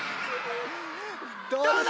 どうだ！